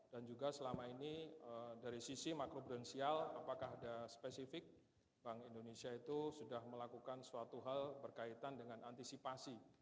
dan juga selama ini dari sisi makro prudensial apakah ada spesifik bank indonesia itu sudah melakukan suatu hal berkaitan dengan antisipasi